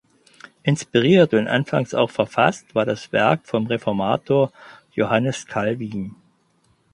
Inspiriert und anfangs auch verfasst war das Werk vom Reformator Johannes Calvin.